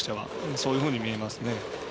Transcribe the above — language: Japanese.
そういうふうに見えますね。